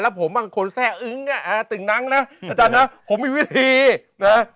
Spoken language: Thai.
แล้วผมมันคือคนแทร่อึ๋งอ่าติ่งน้ำนะอาจารย์นะผมมีวิธีนะ